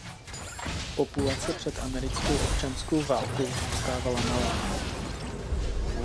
Populace před americkou občanskou válkou zůstávala malá.